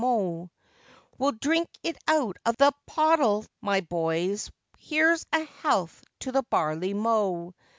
We'll drink it out of the half hogshead, boys, Here's a health to the barley mow!